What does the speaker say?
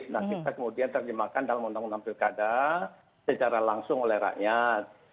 nah kita kemudian terjemahkan dalam undang undang pilkada secara langsung oleh rakyat